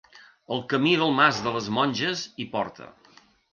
El camí del Mas de les Monges hi porta.